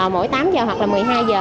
mỗi tám giờ hoặc là một mươi hai giờ